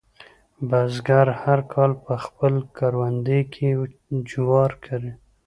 بزګر هر کال په خپل کروندې کې جوار کري.